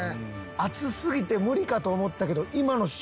暑すぎて無理かと思ったけど。